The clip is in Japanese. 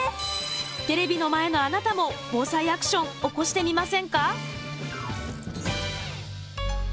テレビの前のあなたもＢＯＳＡＩアクション起こしてみませんか？